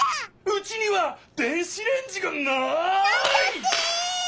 うちには電子レンジがない！